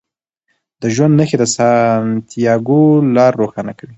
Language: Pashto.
د ژوند نښې د سانتیاګو لار روښانه کوي.